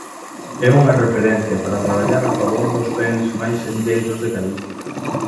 É unha referencia para traballar a favor dos bens máis senlleiros de Galicia.